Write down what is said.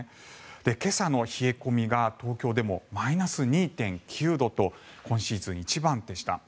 今朝の冷え込みが東京でもマイナス２．９度と今シーズン一番でした。